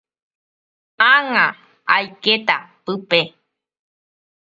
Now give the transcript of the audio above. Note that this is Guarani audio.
Ág̃a aikéta pype.